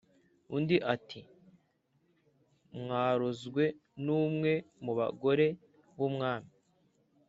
Undi ati"mwarozwe numwe mubagore b’umwami